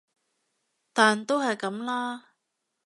但都係噉啦